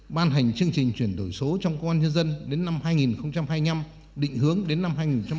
ban hành chương trình chuyển đổi số trong công an nhân dân đến năm hai nghìn hai mươi năm định hướng đến năm hai nghìn ba mươi